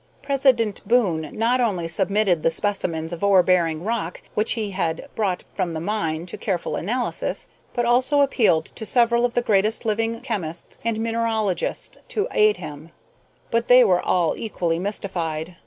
President Boon not only submitted the specimens of ore bearing rock which he had brought from the mine to careful analysis, but also appealed to several of the greatest living chemists and mineralogists to aid him; but they were all equally mystified.